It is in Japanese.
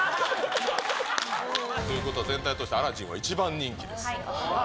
ということで全体としてアラジンが一番人気です。